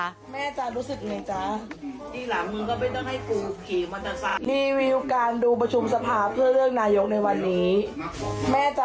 แม่จ้ารู้สึกไงจ๊ะ